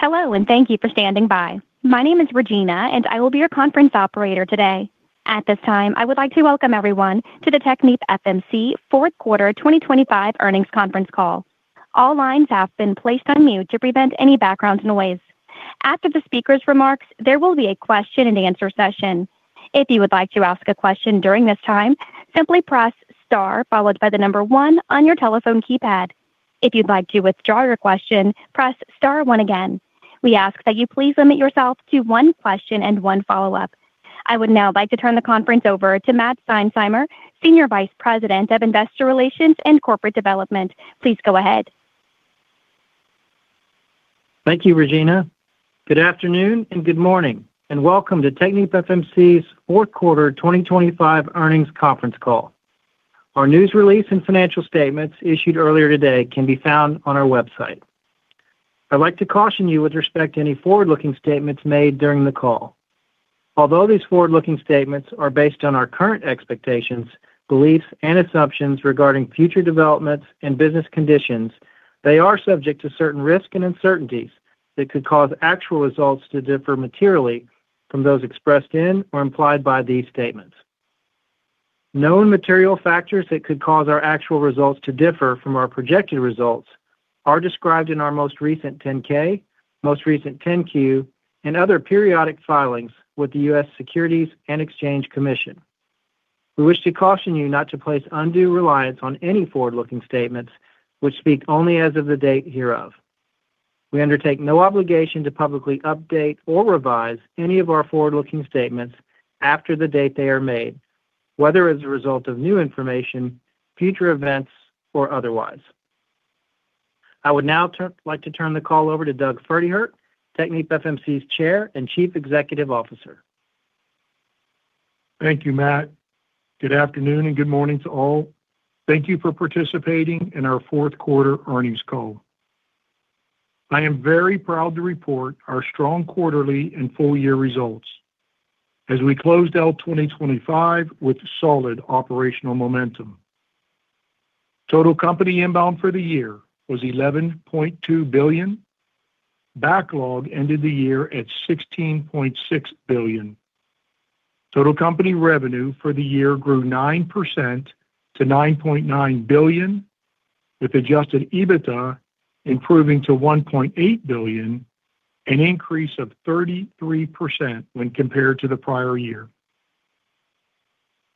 Hello, and thank you for standing by. My name is Regina, and I will be your conference operator today. At this time, I would like to welcome everyone to the TechnipFMC Fourth Quarter 2025 Earnings Conference Call. All lines have been placed on mute to prevent any background noise. After the speaker's remarks, there will be a question-and-answer session. If you would like to ask a question during this time, simply press star followed by the number one on your telephone keypad. If you'd like to withdraw your question, press star one again. We ask that you please limit yourself to one question and one follow-up. I would now like to turn the conference over to Matt Seinsheimer, Senior Vice President of Investor Relations and Corporate Development. Please go ahead. Thank you, Regina. Good afternoon, and good morning, and welcome to TechnipFMC's Fourth Quarter 2025 Earnings Conference Call. Our news release and financial statements issued earlier today can be found on our website. I'd like to caution you with respect to any forward-looking statements made during the call. Although these forward-looking statements are based on our current expectations, beliefs, and assumptions regarding future developments and business conditions, they are subject to certain risks and uncertainties that could cause actual results to differ materially from those expressed in or implied by these statements. Known material factors that could cause our actual results to differ from our projected results are described in our most recent 10-K, most recent 10-Q, and other periodic filings with the U.S. Securities and Exchange Commission. We wish to caution you not to place undue reliance on any forward-looking statements which speak only as of the date hereof. We undertake no obligation to publicly update or revise any of our forward-looking statements after the date they are made, whether as a result of new information, future events, or otherwise. I would like to turn the call over to Doug Pferdehirt, TechnipFMC's Chair and Chief Executive Officer. Thank you, Matt. Good afternoon and good morning to all. Thank you for participating in our fourth quarter earnings call. I am very proud to report our strong quarterly and full-year results as we closed out 2025 with solid operational momentum. Total company inbound for the year was $11.2 billion. Backlog ended the year at $16.6 billion. Total company revenue for the year grew 9% to $9.9 billion, with Adjusted EBITDA improving to $1.8 billion, an increase of 33% when compared to the prior year.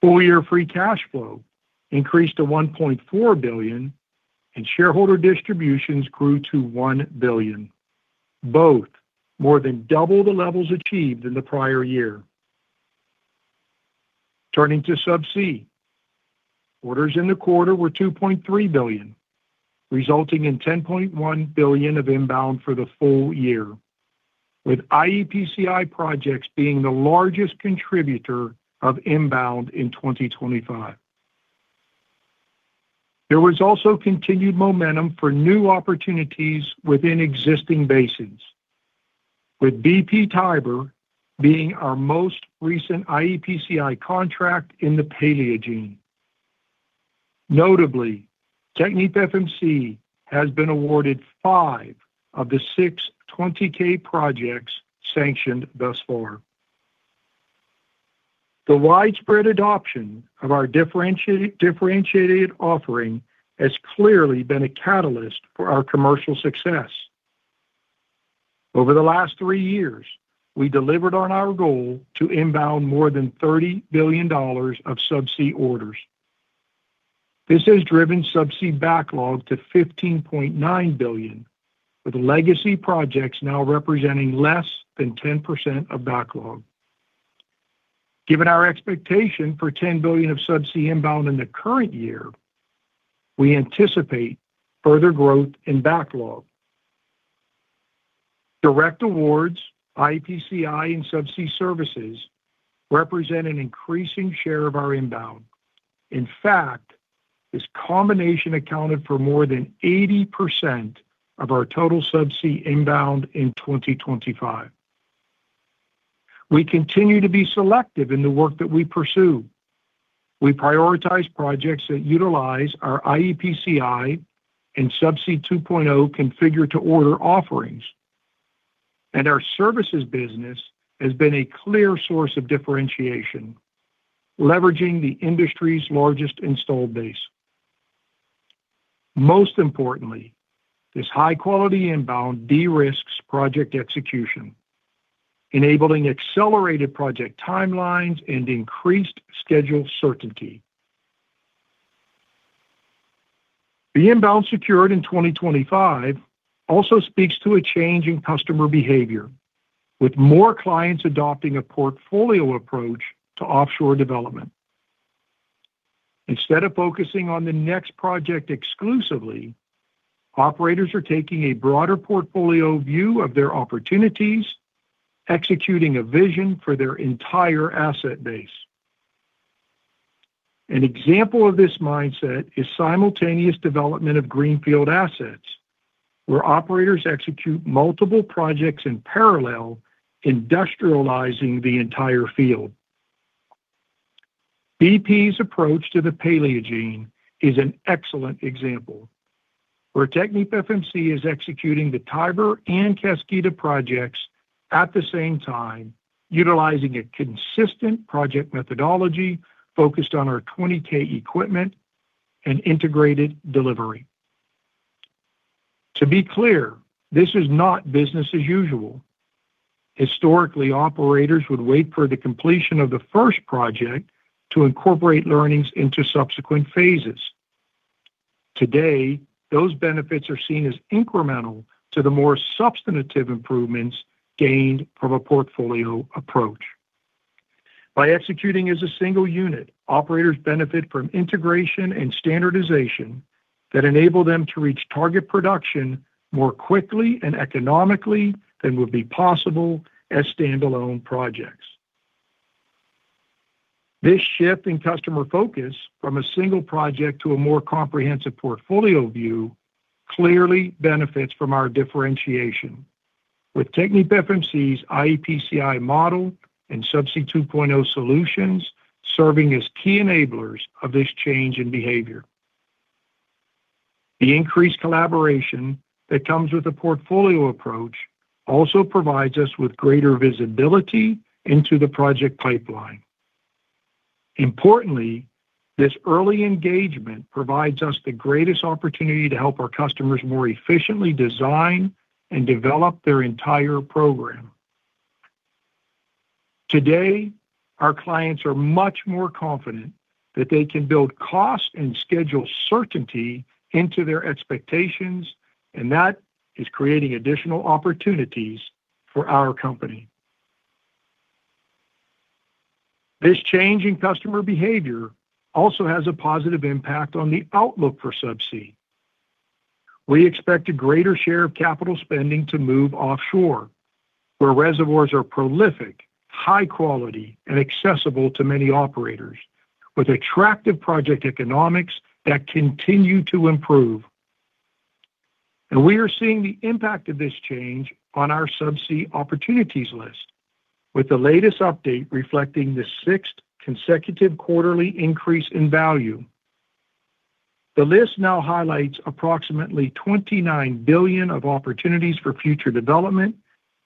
Full-year free cash flow increased to $1.4 billion, and shareholder distributions grew to $1 billion, both more than double the levels achieved in the prior year. Turning to Subsea, orders in the quarter were $2.3 billion, resulting in $10.1 billion of inbound for the full year, with iEPCI projects being the largest contributor of inbound in 2025. There was also continued momentum for new opportunities within existing basins, with bp Tiber being our most recent iEPCI contract in the Paleogene. Notably, TechnipFMC has been awarded five of the six 20K projects sanctioned thus far. The widespread adoption of our differentiate, differentiated offering has clearly been a catalyst for our commercial success. Over the last three years, we delivered on our goal to inbound more than $30 billion of Subsea orders. This has driven Subsea backlog to $15.9 billion, with legacy projects now representing less than 10% of backlog. Given our expectation for $10 billion of Subsea inbound in the current year, we anticipate further growth in backlog. Direct awards, iEPCI, and Subsea services represent an increasing share of our inbound. In fact, this combination accounted for more than 80% of our total Subsea inbound in 2025. We continue to be selective in the work that we pursue. We prioritize projects that utilize our iEPCI and Subsea 2.0 configure-to-order offerings, and our services business has been a clear source of differentiation, leveraging the industry's largest installed base. Most importantly, this high-quality inbound de-risks project execution, enabling accelerated project timelines and increased schedule certainty. The inbound secured in 2025 also speaks to a change in customer behavior, with more clients adopting a portfolio approach to offshore development. Instead of focusing on the next project exclusively, operators are taking a broader portfolio view of their opportunities, executing a vision for their entire asset base. An example of this mindset is simultaneous development of greenfield assets, where operators execute multiple projects in parallel, industrializing the entire field…. bp's approach to the Paleogene is an excellent example, where TechnipFMC is executing the Tiber and Kaskida projects at the same time, utilizing a consistent project methodology focused on our 20K equipment and integrated delivery. To be clear, this is not business as usual. Historically, operators would wait for the completion of the first project to incorporate learnings into subsequent phases. Today, those benefits are seen as incremental to the more substantive improvements gained from a portfolio approach. By executing as a single unit, operators benefit from integration and standardization that enable them to reach target production more quickly and economically than would be possible as standalone projects. This shift in customer focus from a single project to a more comprehensive portfolio view, clearly benefits from our differentiation. With TechnipFMC's iEPCI model and Subsea solutions serving as key enablers of this change in behavior. The increased collaboration that comes with a portfolio approach also provides us with greater visibility into the project pipeline. Importantly, this early engagement provides us the greatest opportunity to help our customers more efficiently design and develop their entire program. Today, our clients are much more confident that they can build cost and schedule certainty into their expectations, and that is creating additional opportunities for our company. This change in customer behavior also has a positive impact on the outlook for Subsea. We expect a greater share of capital spending to move offshore, where reservoirs are prolific, high quality, and accessible to many operators, with attractive project economics that continue to improve. We are seeing the impact of this change on our Subsea Opportunities List, with the latest update reflecting the sixth consecutive quarterly increase in value. The list now highlights approximately $29 billion of opportunities for future development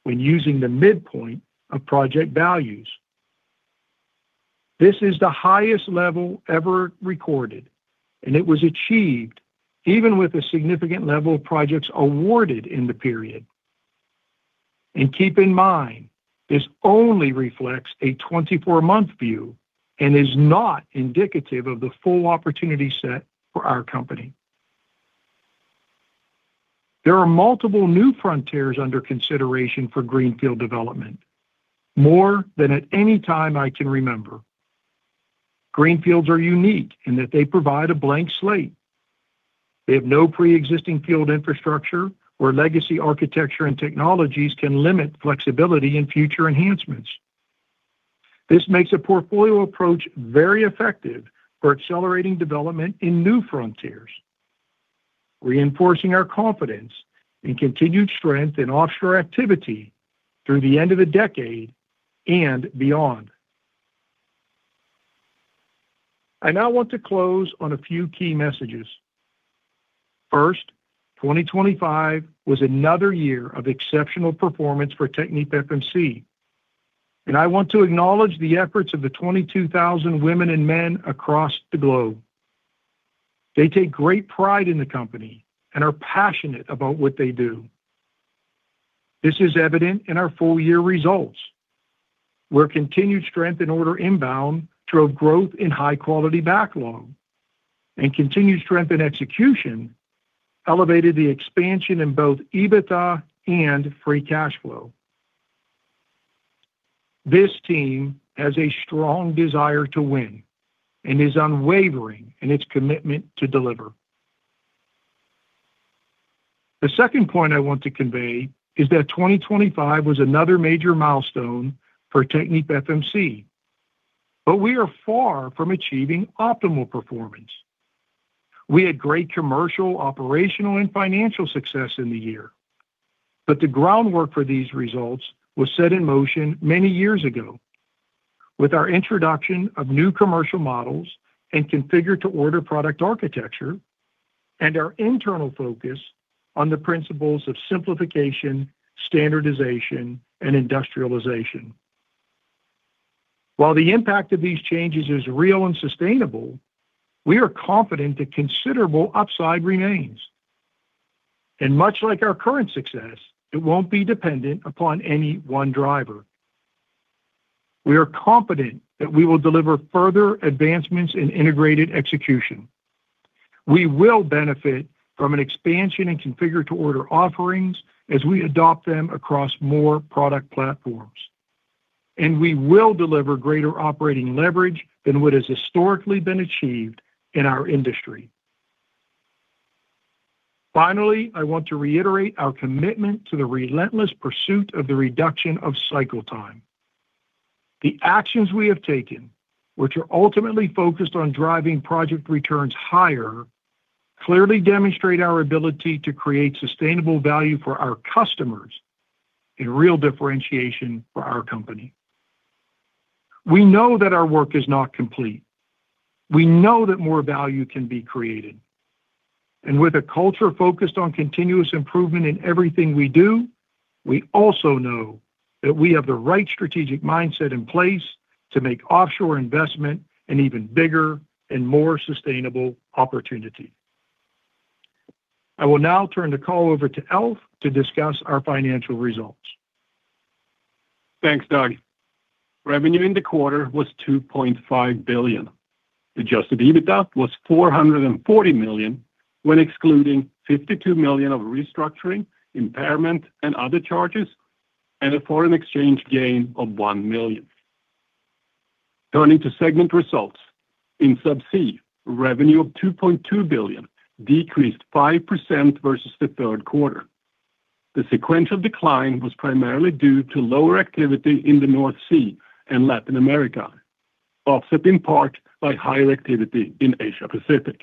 when using the midpoint of project values. This is the highest level ever recorded, and it was achieved even with a significant level of projects awarded in the period. Keep in mind, this only reflects a 24 month view and is not indicative of the full opportunity set for our company. There are multiple new frontiers under consideration for greenfield development, more than at any time I can remember. Greenfields are unique in that they provide a blank slate. They have no pre-existing field infrastructure, where legacy, architecture, and technologies can limit flexibility in future enhancements. This makes a portfolio approach very effective for accelerating development in new frontiers, reinforcing our confidence in continued strength in offshore activity through the end of the decade and beyond. I now want to close on a few key messages. First, 2025 was another year of exceptional performance for TechnipFMC, and I want to acknowledge the efforts of the 22,000 women and men across the globe. They take great pride in the company and are passionate about what they do. This is evident in our full year results, where continued strength in order inbound drove growth in high-quality backlog, and continued strength in execution elevated the expansion in both EBITDA and free cash flow. This team has a strong desire to win and is unwavering in its commitment to deliver. The second point I want to convey is that 2025 was another major milestone for TechnipFMC, but we are far from achieving optimal performance. We had great commercial, operational, and financial success in the year, but the groundwork for these results was set in motion many years ago with our introduction of new commercial models and configure-to-order product architecture, and our internal focus on the principles of simplification, standardization, and industrialization. While the impact of these changes is real and sustainable, we are confident that considerable upside remains, and much like our current success, it won't be dependent upon any one driver. We are confident that we will deliver further advancements in integrated execution. We will benefit from an expansion in configure-to-order offerings as we adopt them across more product platforms, and we will deliver greater operating leverage than what has historically been achieved in our industry. Finally, I want to reiterate our commitment to the relentless pursuit of the reduction of cycle time. The actions we have taken, which are ultimately focused on driving project returns higher, clearly demonstrate our ability to create sustainable value for our customers, a real differentiation for our company. We know that our work is not complete. We know that more value can be created, and with a culture focused on continuous improvement in everything we do, we also know that we have the right strategic mindset in place to make offshore investment an even bigger and more sustainable opportunity. I will now turn the call over to Alf to discuss our financial results. Thanks, Doug. Revenue in the quarter was $2.5 billion. Adjusted EBITDA was $440 million, when excluding $52 million of restructuring, impairment, and other charges, and a foreign exchange gain of $1 million. Turning to segment results. In Subsea, revenue of $2.2 billion decreased 5% versus the third quarter. The sequential decline was primarily due to lower activity in the North Sea and Latin America, offset in part by higher activity in Asia Pacific.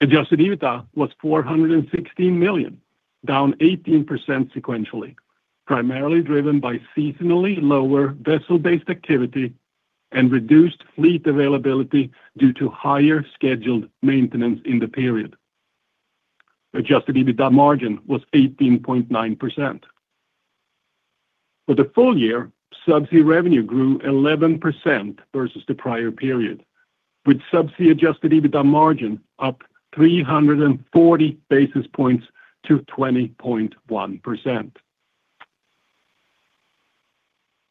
Adjusted EBITDA was $416 million, down 18% sequentially, primarily driven by seasonally lower vessel-based activity and reduced fleet availability due to higher scheduled maintenance in the period. Adjusted EBITDA margin was 18.9%. For the full year, Subsea revenue grew 11% versus the prior period, with Subsea adjusted EBITDA margin up 340 basis points to 20.1%.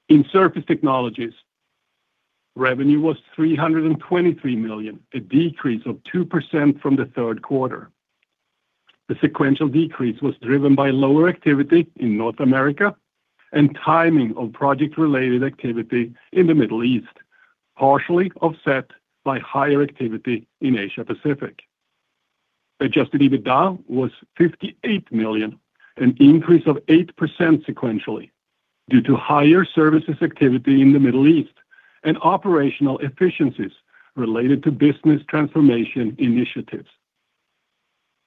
In Surface Technologies, revenue was $323 million, a decrease of 2% from the third quarter. The sequential decrease was driven by lower activity in North America and timing of project-related activity in the Middle East, partially offset by higher activity in Asia Pacific. Adjusted EBITDA was $58 million, an increase of 8% sequentially due to higher services activity in the Middle East and operational efficiencies related to business transformation initiatives.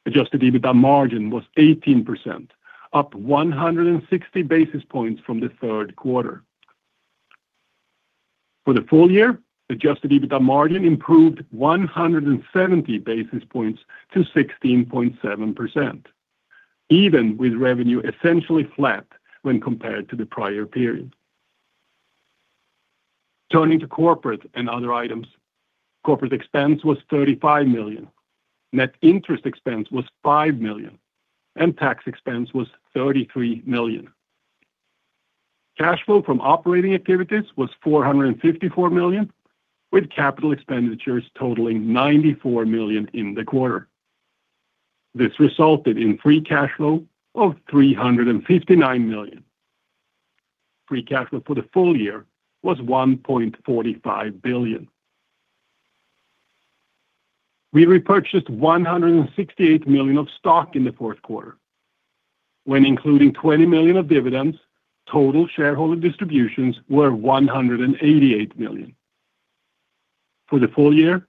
Adjusted EBITDA margin was 18%, up 160 basis points from the third quarter. For the full year, adjusted EBITDA margin improved 170 basis points to 16.7%, even with revenue essentially flat when compared to the prior period. Turning to corporate and other items, corporate expense was $35 million, net interest expense was $5 million, and tax expense was $33 million. Cash flow from operating activities was $454 million, with capital expenditures totaling $94 million in the quarter. This resulted in free cash flow of $359 million. Free cash flow for the full year was $1.45 billion. We repurchased $168 million of stock in the fourth quarter. When including $20 million of dividends, total shareholder distributions were $188 million. For the full year,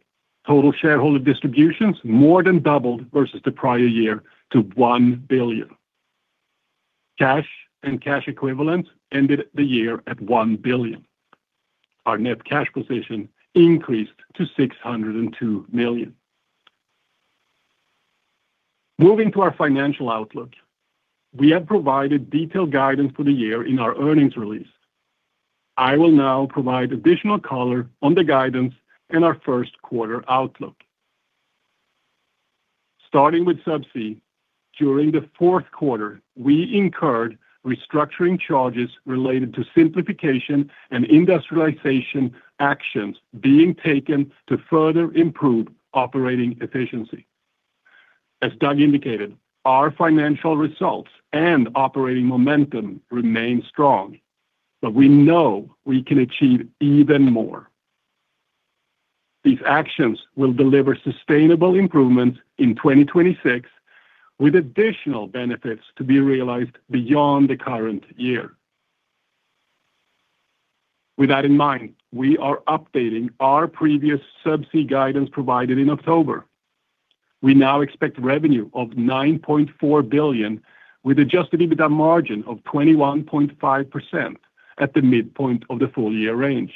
total shareholder distributions more than doubled versus the prior year to $1 billion. Cash and cash equivalents ended the year at $1 billion. Our net cash position increased to $602 million. Moving to our financial outlook, we have provided detailed guidance for the year in our earnings release. I will now provide additional color on the guidance and our first quarter outlook. Starting with Subsea, during the fourth quarter, we incurred restructuring charges related to simplification and industrialization actions being taken to further improve operating efficiency. As Doug indicated, our financial results and operating momentum remain strong, but we know we can achieve even more. These actions will deliver sustainable improvements in 2026, with additional benefits to be realized beyond the current year. With that in mind, we are updating our previous Subsea guidance provided in October. We now expect revenue of $9.4 billion, with Adjusted EBITDA margin of 21.5% at the midpoint of the full year range.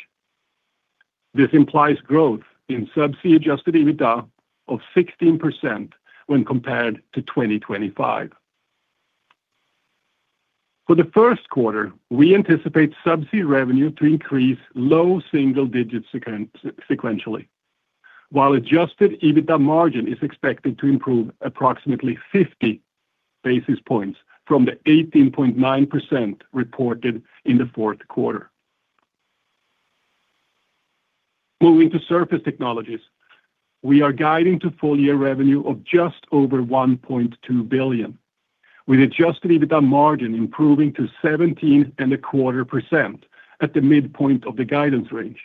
This implies growth in Subsea Adjusted EBITDA of 16% when compared to 2025. For the first quarter, we anticipate Subsea revenue to increase low single digits sequentially, while adjusted EBITDA margin is expected to improve approximately 50 basis points from the 18.9% reported in the fourth quarter. Moving to Surface Technologies, we are guiding to full-year revenue of just over $1.2 billion, with adjusted EBITDA margin improving to 17.25% at the midpoint of the guidance range.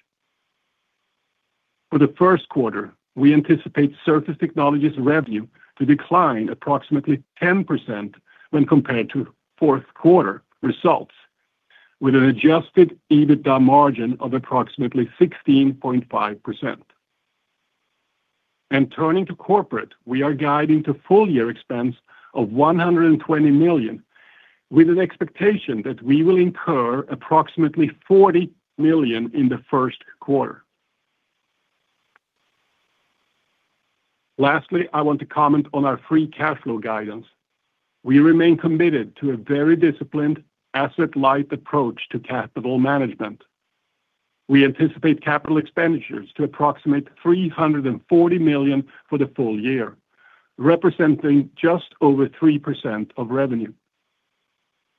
For the first quarter, we anticipate Surface Technologies revenue to decline approximately 10% when compared to fourth quarter results, with an adjusted EBITDA margin of approximately 16.5%. Turning to corporate, we are guiding to full-year expense of $120 million, with an expectation that we will incur approximately $40 million in the first quarter. Lastly, I want to comment on our free cash flow guidance. We remain committed to a very disciplined, asset-light approach to capital management. We anticipate capital expenditures to approximate $340 million for the full year, representing just over 3% of revenue.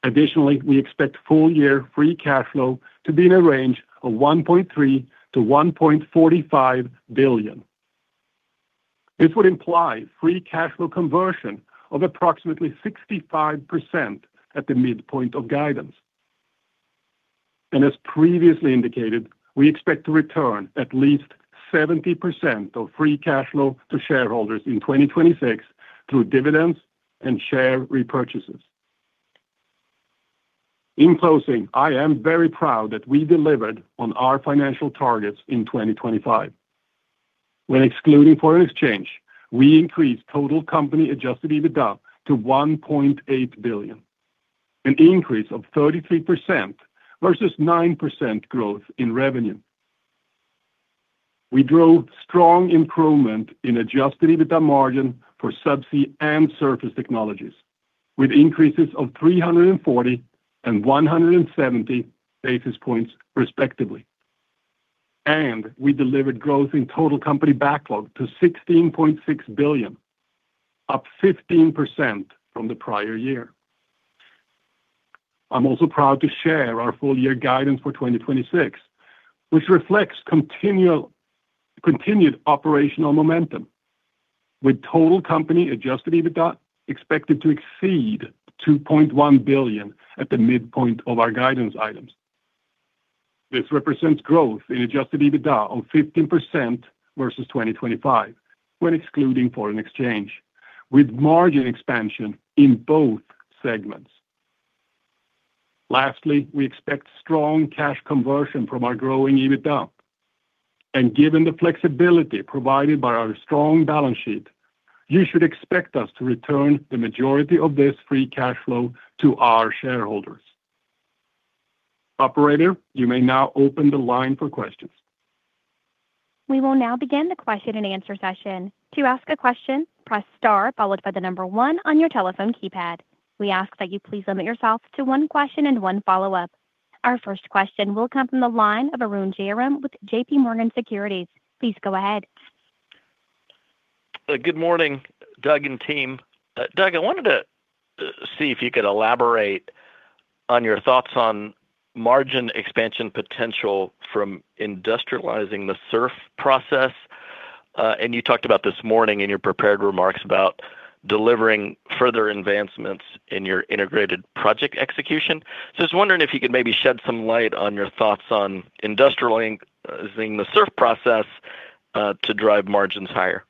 Additionally, we expect full year free cash flow to be in a range of $1.3 billion-$1.45 billion. This would imply free cash flow conversion of approximately 65% at the midpoint of guidance. And as previously indicated, we expect to return at least 70% of free cash flow to shareholders in 2026 through dividends and share repurchases. In closing, I am very proud that we delivered on our financial targets in 2025. When excluding foreign exchange, we increased total company Adjusted EBITDA to $1.8 billion, an increase of 33% versus 9% growth in revenue. We drove strong improvement in Adjusted EBITDA margin for Subsea and Surface Technologies, with increases of 340 and 170 basis points, respectively. We delivered growth in total company backlog to $16.6 billion, up 15% from the prior year. I'm also proud to share our full-year guidance for 2026, which reflects continued operational momentum, with total company Adjusted EBITDA expected to exceed $2.1 billion at the midpoint of our guidance items. This represents growth in Adjusted EBITDA of 15% versus 2025, when excluding foreign exchange, with margin expansion in both segments. Lastly, we expect strong cash conversion from our growing EBITDA, and given the flexibility provided by our strong balance sheet, you should expect us to return the majority of this free cash flow to our shareholders. Operator, you may now open the line for questions. We will now begin the question-and-answer session. To ask a question, press star followed by the number one on your telephone keypad. We ask that you please limit yourself to one question and one follow-up. Our first question will come from the line of Arun Jayaram with J.P. Morgan Securities. Please go ahead. Good morning, Doug and team. Doug, I wanted to see if you could elaborate on your thoughts on margin expansion potential from industrializing the SURF process. You talked about this morning in your prepared remarks about delivering further advancements in your integrated project execution. So I was wondering if you could maybe shed some light on your thoughts on industrializing the SURF process, to drive margins higher.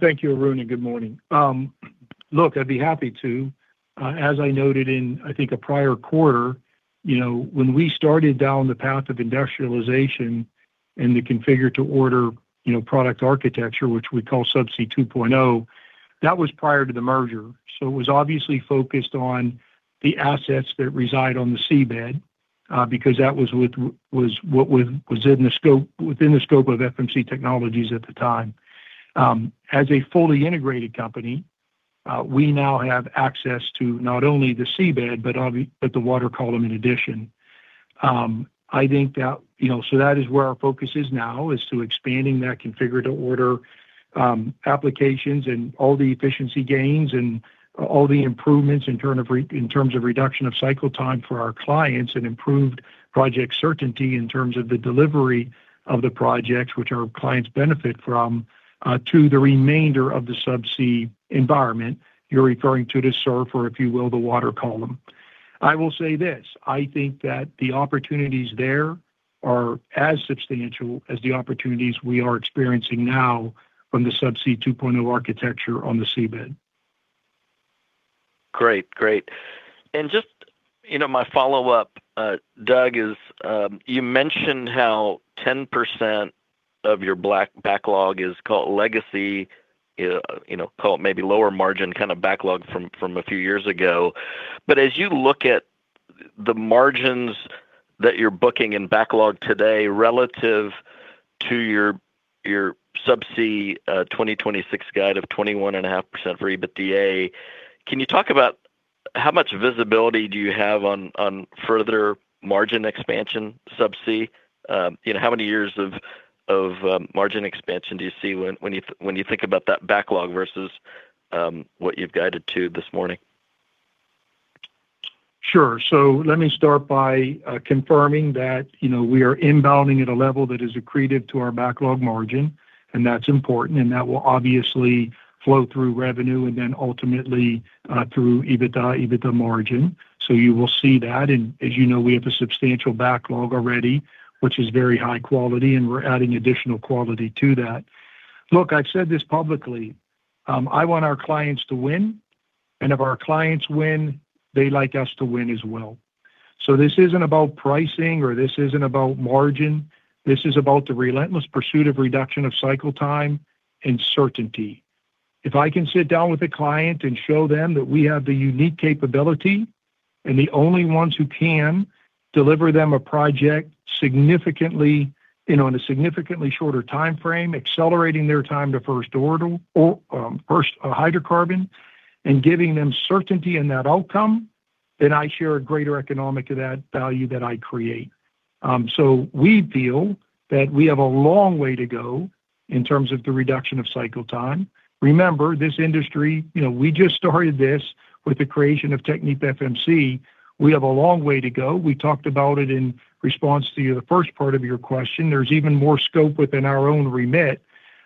Thank you, Arun, and good morning. Look, I'd be happy to. As I noted in, I think, a prior quarter, you know, when we started down the path of industrialization and the configure-to-order, you know, product architecture, which we call Subsea 2.0, that was prior to the merger. So it was obviously focused on the assets that reside on the seabed, because that was what was within the scope of FMC Technologies at the time. As a fully integrated company, we now have access to not only the seabed, but the water column in addition. I think that, you know, so that is where our focus is now, is to expanding that configure-to-order applications and all the efficiency gains and all the improvements in terms of reduction of cycle time for our clients and improved project certainty in terms of the delivery of the projects, which our clients benefit from, to the remainder of the Subsea environment. You're referring to the SURF or, if you will, the water column. I will say this: I think that the opportunities there are as substantial as the opportunities we are experiencing now from the Subsea 2.0 architecture on the seabed. Great. Great. And just, you know, my follow-up, Doug, is, you mentioned how 10% of your backlog is called legacy, you know, called maybe lower margin kind of backlog from, from a few years ago. But as you look at the margins that you're booking in backlog today, relative to your, your Subsea, 2026 guide of 21.5% for EBITDA, can you talk about how much visibility do you have on further margin expansion, Subsea? You know, how many years of margin expansion do you see when you think about that backlog versus what you've guided to this morning? Sure. So let me start by confirming that, you know, we are inbounding at a level that is accretive to our backlog margin, and that's important, and that will obviously flow through revenue and then ultimately through EBITDA, EBITDA margin. So you will see that, and as you know, we have a substantial backlog already, which is very high quality, and we're adding additional quality to that. Look, I've said this publicly. I want our clients to win, and if our clients win, they like us to win as well... So this isn't about pricing, or this isn't about margin. This is about the relentless pursuit of reduction of cycle time and certainty. If I can sit down with a client and show them that we have the unique capability, and the only ones who can deliver them a project significantly, you know, in a significantly shorter timeframe, accelerating their time to first oil or first hydrocarbon, and giving them certainty in that outcome, then I share a greater economic of that value that I create. So we feel that we have a long way to go in terms of the reduction of cycle time. Remember, this industry, you know, we just started this with the creation of TechnipFMC. We have a long way to go. We talked about it in response to the first part of your question. There's even more scope within our own remit,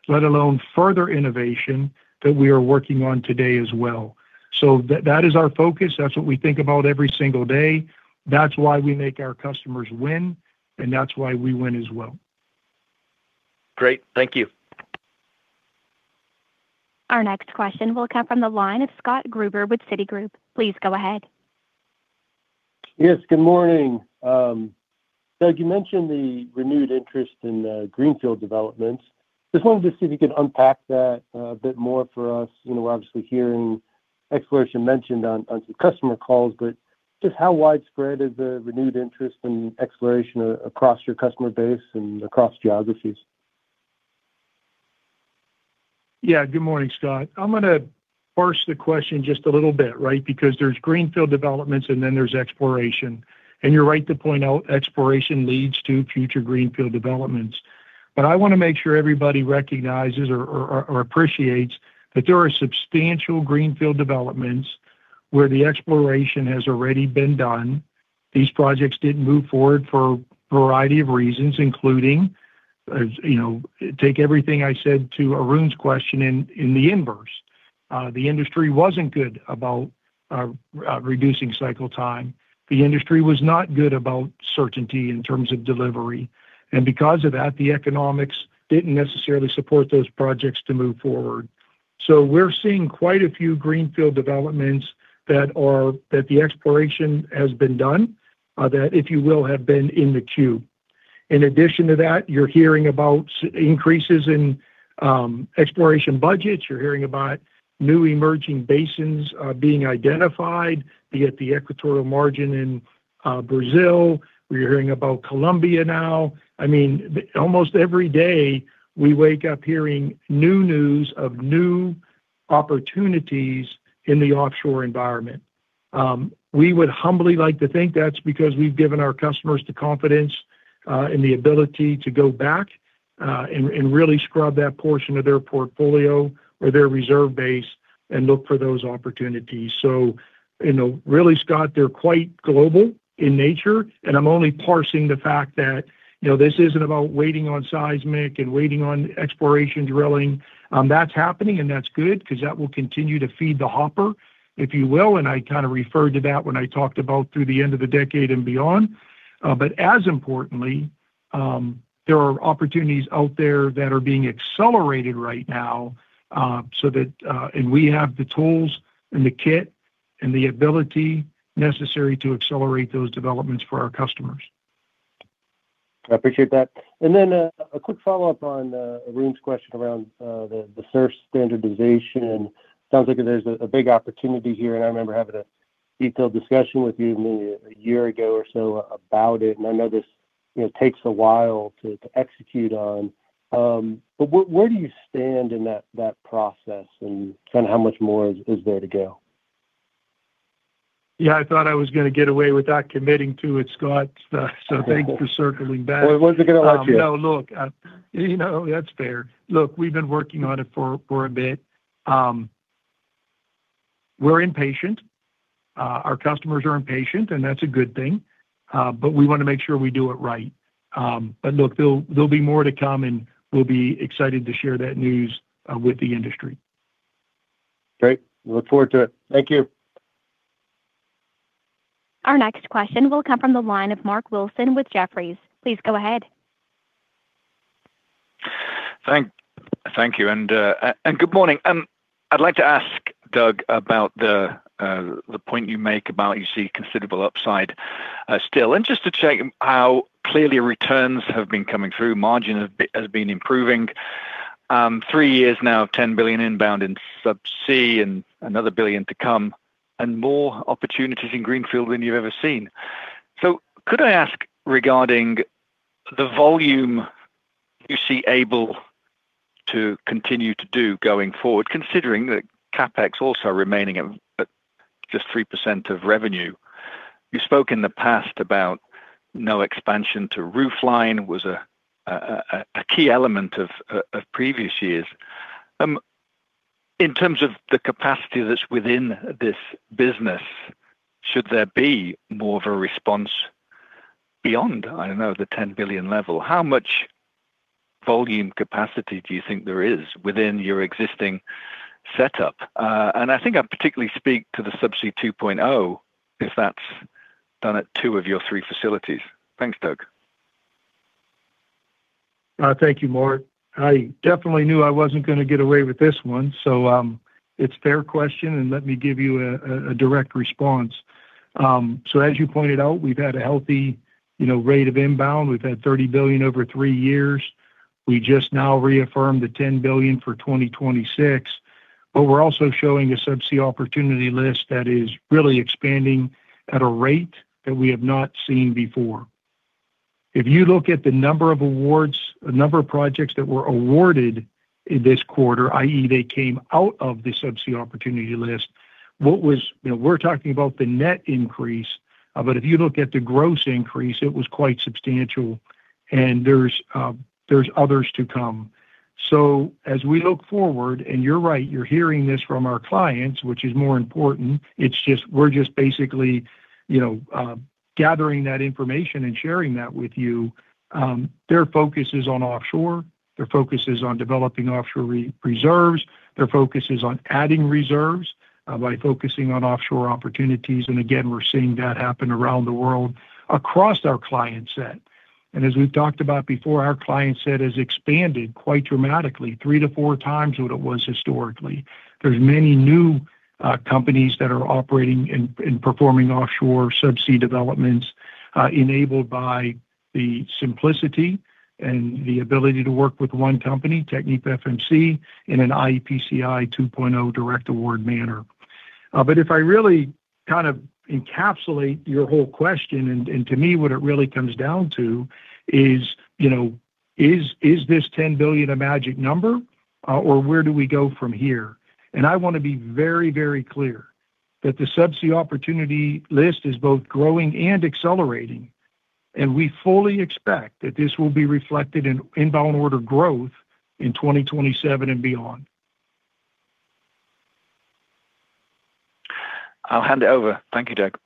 let alone further innovation that we are working on today as well. So that is our focus. That's what we think about every single day. That's why we make our customers win, and that's why we win as well. Great. Thank you. Our next question will come from the line of Scott Gruber with Citigroup. Please go ahead. Yes, good morning, Doug. You mentioned the renewed interest in Greenfield developments. Just wanted to see if you could unpack that a bit more for us. You know, we're obviously hearing exploration mentioned on some customer calls, but just how widespread is the renewed interest in exploration across your customer base and across geographies? Yeah. Good morning, Scott. I'm gonna parse the question just a little bit, right? Because there's greenfield developments, and then there's exploration. You're right to point out exploration leads to future greenfield developments. But I wanna make sure everybody recognizes or appreciates that there are substantial greenfield developments where the exploration has already been done. These projects didn't move forward for a variety of reasons, including, you know, take everything I said to Arun's question in the inverse. The industry wasn't good about reducing cycle time. The industry was not good about certainty in terms of delivery, and because of that, the economics didn't necessarily support those projects to move forward. So we're seeing quite a few greenfield developments that are that the exploration has been done, that, if you will, have been in the queue. In addition to that, you're hearing about increases in exploration budgets. You're hearing about new emerging basins being identified, be it the Equatorial Margin in Brazil, we are hearing about Colombia now. I mean, almost every day, we wake up hearing new news of new opportunities in the offshore environment. We would humbly like to think that's because we've given our customers the confidence and the ability to go back and really scrub that portion of their portfolio or their reserve base and look for those opportunities. So, you know, really, Scott, they're quite global in nature, and I'm only parsing the fact that, you know, this isn't about waiting on seismic and waiting on exploration drilling. That's happening, and that's good because that will continue to feed the hopper, if you will, and I kinda referred to that when I talked about through the end of the decade and beyond. But as importantly, there are opportunities out there that are being accelerated right now, so that and we have the tools and the kit and the ability necessary to accelerate those developments for our customers. I appreciate that. Then, a quick follow-up on Arun's question around the SURF standardization. Sounds like there's a big opportunity here, and I remember having a detailed discussion with you maybe a year ago or so about it, and I know this, you know, takes a while to execute on. But where do you stand in that process, and kinda how much more is there to go? Yeah, I thought I was gonna get away without committing to it, Scott, so thanks for circling back. Well, I wasn't gonna let you. You know, look, you know, that's fair. Look, we've been working on it for a bit. We're impatient, our customers are impatient, and that's a good thing, but we wanna make sure we do it right. But look, there'll be more to come, and we'll be excited to share that news with the industry. Great. Look forward to it. Thank you. Our next question will come from the line of Marc Bianchi with Jefferies. Please go ahead. Thank you, and good morning. I'd like to ask Doug about the point you make about you see considerable upside still. And just to check how clearly returns have been coming through, margin has been improving, three years now of $10 billion inbound in Subsea and another $1 billion to come, and more opportunities in greenfield than you've ever seen. So could I ask regarding the volume you see able to continue to do going forward, considering that CapEx also remaining at just 3% of revenue? You spoke in the past about no expansion to roof line was a key element of previous years. In terms of the capacity that's within this business, should there be more of a response beyond, I don't know, the $10 billion level? How much volume capacity do you think there is within your existing setup? And I think I particularly speak to the Subsea 2.0, if that's done at two of your three facilities. Thanks, Doug. Thank you, Mark. I definitely knew I wasn't gonna get away with this one, so it's a fair question, and let me give you a direct response. So as you pointed out, we've had a healthy, you know, rate of inbound. We've had $30 billion over three years. We just now reaffirmed the $10 billion for 2026, but we're also showing a Subsea opportunity list that is really expanding at a rate that we have not seen before. If you look at the number of awards, the number of projects that were awarded in this quarter, i.e., they came out of the Subsea opportunity list. You know, we're talking about the net increase, but if you look at the gross increase, it was quite substantial, and there's others to come. So as we look forward, and you're right, you're hearing this from our clients, which is more important, it's just-- we're just basically, you know, gathering that information and sharing that with you. Their focus is on offshore. Their focus is on developing offshore reserves. Their focus is on adding reserves by focusing on offshore opportunities, and again, we're seeing that happen around the world across our client set. And as we've talked about before, our client set has expanded quite dramatically, three times to four times what it was historically. There's many new companies that are operating and performing offshore Subsea developments, enabled by the simplicity and the ability to work with one company, TechnipFMC, in an iEPCI 2.0 direct award manner. But if I really kind of encapsulate your whole question, and, and to me, what it really comes down to is, you know, is, is this $10 billion a magic number, or where do we go from here? And I wanna be very, very clear that the Subsea opportunity list is both growing and accelerating, and we fully expect that this will be reflected in inbound order growth in 2027 and beyond. I'll hand it over. Thank you, Doug.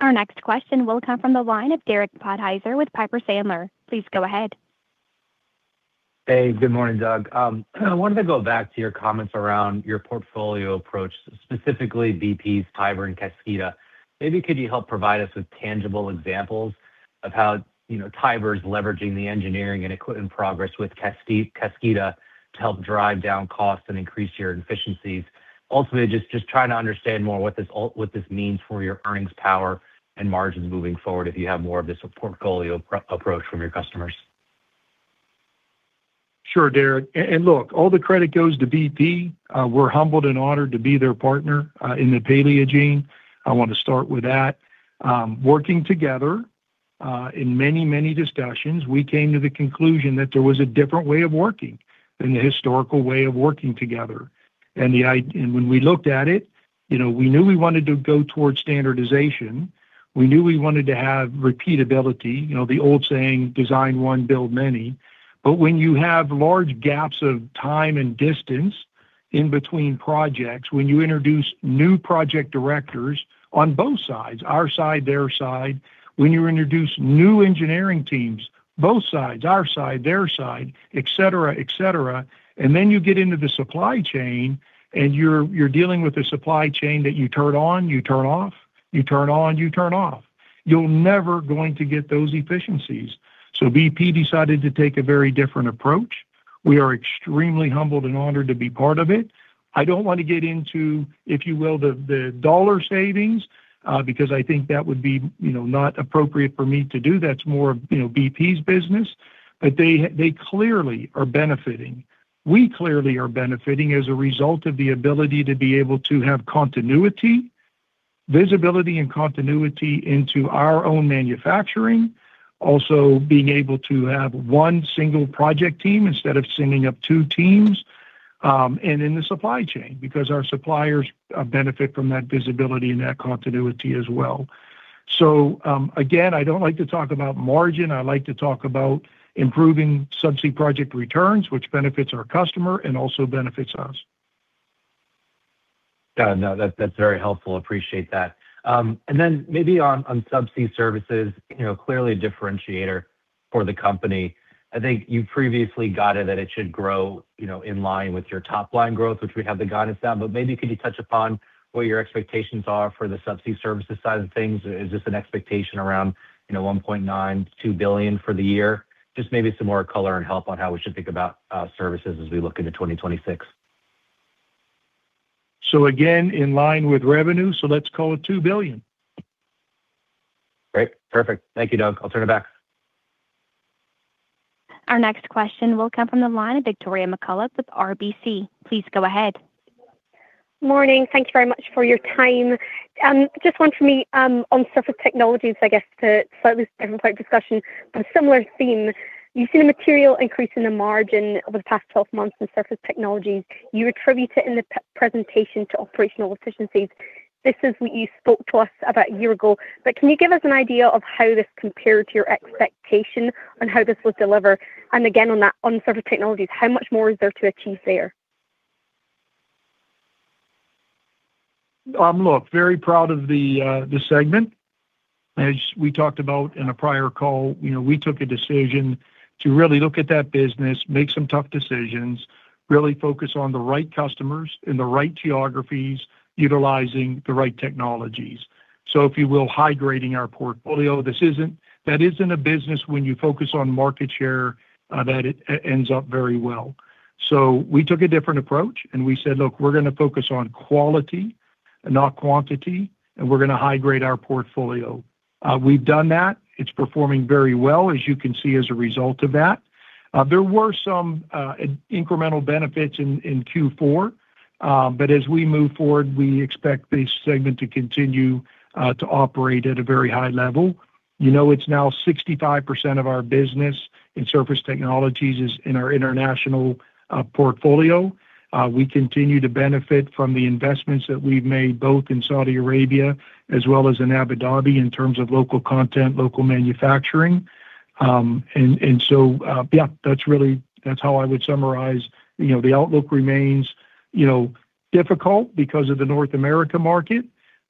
Our next question will come from the line of Derek Podhaizer with Piper Sandler. Please go ahead. Hey, good morning, Doug. I wanted to go back to your comments around your portfolio approach, specifically bp's Tiber and Kaskida. Maybe could you help provide us with tangible examples of how, you know, Tiber is leveraging the engineering and equipment progress with Kaskida to help drive down costs and increase your efficiencies? Ultimately, just, just trying to understand more what this—what this means for your earnings power and margins moving forward if you have more of this portfolio approach from your customers. Sure, Derek. And look, all the credit goes to bp. We're humbled and honored to be their partner in the Paleogene. I want to start with that. Working together in many, many discussions, we came to the conclusion that there was a different way of working than the historical way of working together. And when we looked at it, you know, we knew we wanted to go towards standardization. We knew we wanted to have repeatability, you know, the old saying, "Design one, build many." But when you have large gaps of time and distance in between projects, when you introduce new project directors on both sides, our side, their side, when you introduce new engineering teams, both sides, our side, their side, et cetera, et cetera, and then you get into the supply chain, and you're, you're dealing with a supply chain that you turn on, you turn off, you turn on, you turn off, you're never going to get those efficiencies. So BP decided to take a very different approach. We are extremely humbled and honored to be part of it. I don't want to get into, if you will, the dollar savings, because I think that would be, you know, not appropriate for me to do. That's more, you know, BP's business. But they clearly are benefiting. We clearly are benefiting as a result of the ability to be able to have continuity, visibility and continuity into our own manufacturing, also being able to have one single project team instead of sending up two teams, and in the supply chain, because our suppliers benefit from that visibility and that continuity as well. So, again, I don't like to talk about margin. I like to talk about improving Subsea project returns, which benefits our customer and also benefits us. Yeah, no, that, that's very helpful. Appreciate that. And then maybe on Subsea services, you know, clearly a differentiator for the company. I think you previously guided that it should grow, you know, in line with your top line growth, which we have the guidance down. But maybe could you touch upon what your expectations are for the Subsea services side of things? Is this an expectation around, you know, $1.9 billion-$2 billion for the year? Just maybe some more color and help on how we should think about services as we look into 2026. So again, in line with revenue, so let's call it $2 billion. Great. Perfect. Thank you, Doug. I'll turn it back. Our next question will come from the line of Victoria McCulloch with RBC. Please go ahead. Morning. Thank you very much for your time. Just one for me, on Surface Technologies, I guess, to slightly different point of discussion, but a similar theme. You've seen a material increase in the margin over the past 12 months in Surface Technologies. You attribute it in the presentation to operational efficiencies. This is what you spoke to us about a year ago. But can you give us an idea of how this compared to your expectation on how this would deliver? And again, on that, on Surface Technologies, how much more is there to achieve there? Look, very proud of the segment. As we talked about in a prior call, you know, we took a decision to really look at that business, make some tough decisions, really focus on the right customers in the right geographies, utilizing the right technologies.... So if you will, high-grading our portfolio, this isn't, that isn't a business when you focus on market share, that it ends up very well. So we took a different approach, and we said: Look, we're gonna focus on quality and not quantity, and we're gonna high-grade our portfolio. We've done that. It's performing very well, as you can see, as a result of that. There were some incremental benefits in Q4, but as we move forward, we expect this segment to continue to operate at a very high level. You know, it's now 65% of our business in Surface Technologies is in our international portfolio. We continue to benefit from the investments that we've made, both in Saudi Arabia as well as in Abu Dhabi, in terms of local content, local manufacturing. And so, yeah, that's really, that's how I would summarize. You know, the outlook remains, you know, difficult because of the North America market,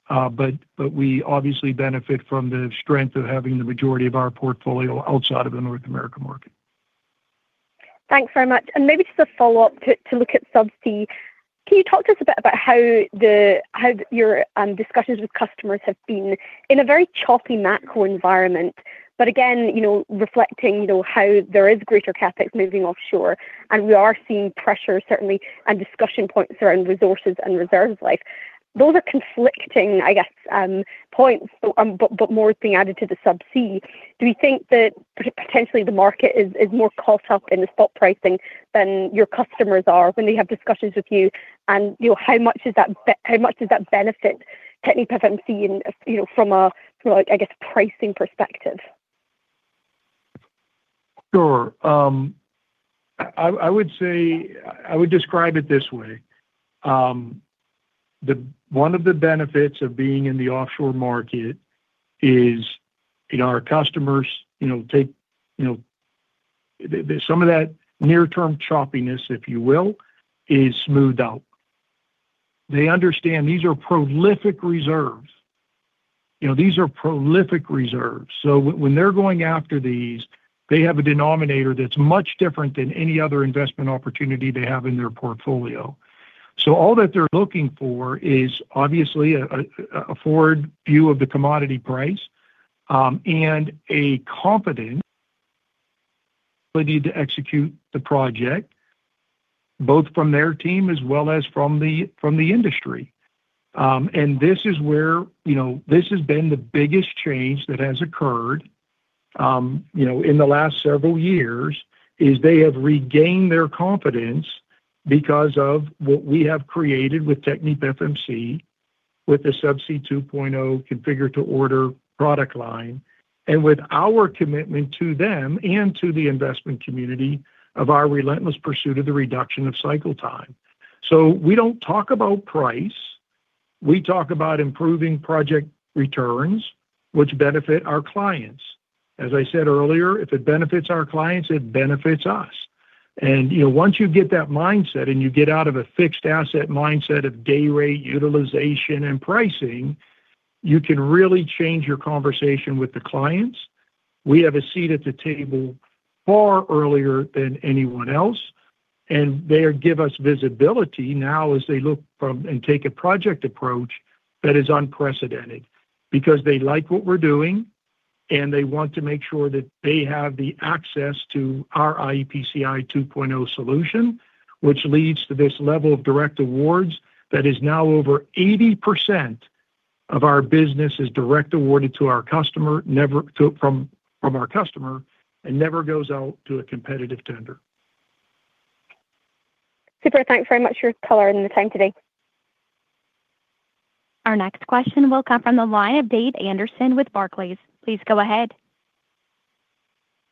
but we obviously benefit from the strength of having the majority of our portfolio outside of the North America market. Thanks very much. And maybe just a follow-up to look at Subsea. Can you talk to us a bit about how your discussions with customers have been in a very choppy macro environment? But again, you know, reflecting, you know, how there is greater CapEx moving offshore, and we are seeing pressure, certainly, and discussion points around resources and reserves life. Those are conflicting, I guess, points, but more is being added to the Subsea. Do we think that potentially the market is more caught up in the spot pricing than your customers are when they have discussions with you? And, you know, how much does that benefit TechnipFMC in, you know, from a, from a, I guess, pricing perspective? Sure. I would say, I would describe it this way: one of the benefits of being in the offshore market is, you know, our customers, you know, take, you know, some of that near-term choppiness, if you will, is smoothed out. They understand these are prolific reserves. You know, these are prolific reserves. So when they're going after these, they have a denominator that's much different than any other investment opportunity they have in their portfolio. So all that they're looking for is, obviously, a forward view of the commodity price, and a confidence to execute the project, both from their team as well as from the industry. And this is where, you know, this has been the biggest change that has occurred, you know, in the last several years, is they have regained their confidence because of what we have created with TechnipFMC, with the Subsea 2.0 configure-to-order product line, and with our commitment to them and to the investment community of our relentless pursuit of the reduction of cycle time. So we don't talk about price, we talk about improving project returns, which benefit our clients. As I said earlier, if it benefits our clients, it benefits us. And, you know, once you get that mindset and you get out of a fixed asset mindset of day rate, utilization, and pricing, you can really change your conversation with the clients. We have a seat at the table far earlier than anyone else, and they give us visibility now as they look from, and take a project approach that is unprecedented. Because they like what we're doing, and they want to make sure that they have the access to our EPCI 2.0 solution, which leads to this level of direct awards. That is now over 80% of our business is direct awarded to our customer, never to, from our customer, and never goes out to a competitive tender. Super. Thanks very much for your time today. Our next question will come from the line of Dave Anderson with Barclays. Please go ahead.